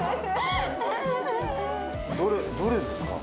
どれですか？